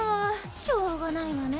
しょうがないわね。